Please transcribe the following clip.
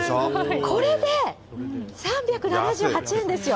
これで３７８円ですよ。